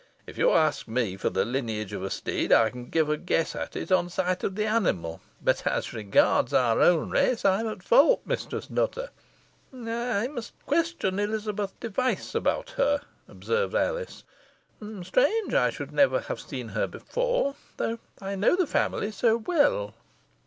"If you ask me for the lineage of a steed, I can give a guess at it on sight of the animal, but as regards our own race I'm at fault, Mistress Nutter." "I must question Elizabeth Device about her," observed Alice. "Strange, I should never have seen her before, though I know the family so well."